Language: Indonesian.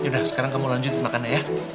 yaudah sekarang kamu lanjutin makannya ya